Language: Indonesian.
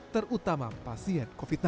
terutama pasien covid sembilan belas